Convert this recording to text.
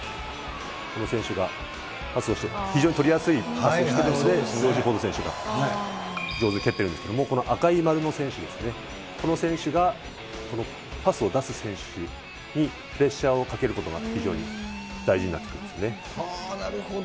この選手がパスをして非常にとりやすいパスをしてるので、ジョージ・フォード選手が上手に蹴ってるんですけれども、この赤い丸の選手ですね、この選手がこのパスを出す選手にプレッシャーをかけることが非常なるほど。